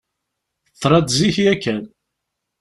Teḍra-d zik yakan.